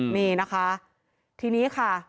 นี่นะคะทีนี้ค่ะ